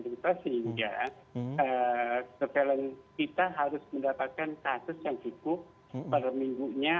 sehingga surveillance kita harus mendapatkan kasus yang cukup per minggunya